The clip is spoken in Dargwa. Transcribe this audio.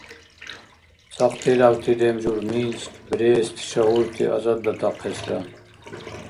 ЦӀакьти дявти демжур Минск, Брест шагьурти азаддатахъесра.